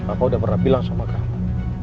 bapak udah pernah bilang sama kamu